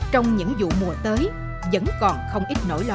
trong những vụ mùa tới vẫn còn không ít nỗi lo